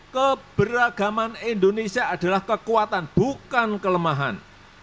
keberagaman indonesia adalah kekuatan bukan kelemahan